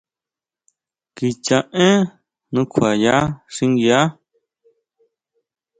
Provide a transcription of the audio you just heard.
Kicha én nukjuaya xinguia.